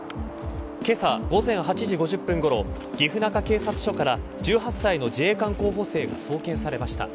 けさ午前８時５０分ごろ岐阜中警察署から１８歳の自衛官候補生が送検されました。